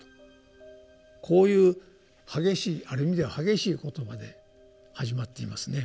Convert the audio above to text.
こういう激しいある意味では激しい言葉で始まっていますね。